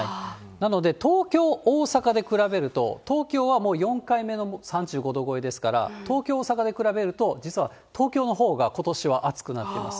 なので、東京、大阪で比べると、東京はもう４回目の３５度超えですから、東京、大阪で比べると、実は東京のほうがことしは暑くなっています。